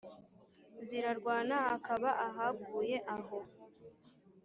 zirarwana akaba ahaguye aho